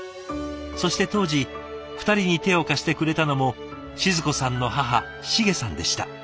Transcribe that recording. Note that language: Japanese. そして当時２人に手を貸してくれたのも静子さんの母シゲさんでした。